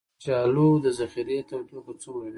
د کچالو د ذخیرې تودوخه څومره وي؟